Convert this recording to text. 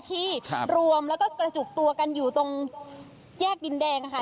ที่รวมแล้วก็กระจุกตัวกันอยู่ตรงแยกดินแดงนะคะ